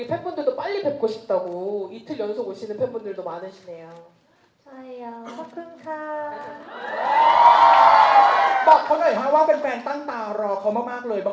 เพื่อนผู้นี้ต้องเจออะไร